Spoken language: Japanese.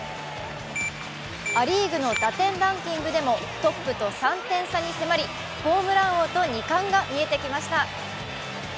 ア・リーグの打点ランキングでもトップと３点差に迫りホームラン王と２冠が見えてきました。